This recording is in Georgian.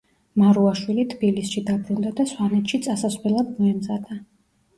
მარუაშვილი თბილისში დაბრუნდა და სვანეთში წასასვლელად მოემზადა.